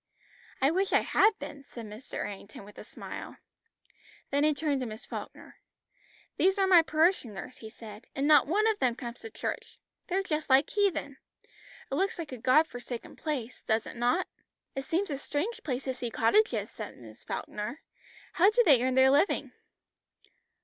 "I wish I had been," said Mr. Errington with a smile. Then he turned to Miss Falkner. "These are my parishioners," he said, "and not one of them comes to church. They're just like heathen. It looks a God forsaken place, does it not?" "It seems a strange place to see cottages," said Miss Falkner. "How do they earn their living?"